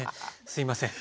すいません。